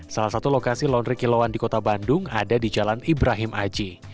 salah satu lokasi laundry kilauan di kota bandung ada di jalan ibrahim aji